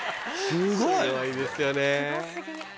すごいですよね。